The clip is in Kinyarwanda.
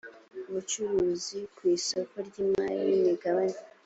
ubucuruzi ku isoko ry’imari n’imigabane